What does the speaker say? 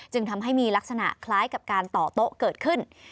ทำให้มีลักษณะคล้ายกับการต่อโต๊ะเกิดขึ้น